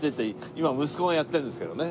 今息子がやってるんですけどね。